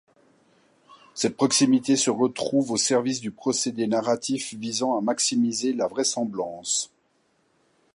Cette proximité se retrouve au service du procédé narratif visant à maximiser la vraisemblance.